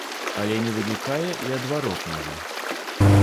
Але не вынікае і адваротнага.